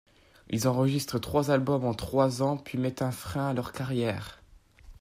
Ils enregistrent trois albums en trois ans puis mettent un frein à leur carrière.